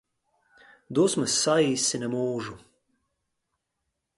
Dusmas saīsina mūžu